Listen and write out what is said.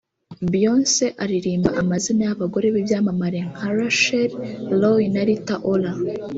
Beyonce aririmba amazina y’abagore b’ibyamamare nka Rachel Roy na Rita Ora